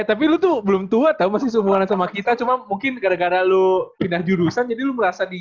eh tapi lu tuh belum tua tau masih seumuran sama kita cuman mungkin gara gara lu pindah jurusan jadi lu merasa di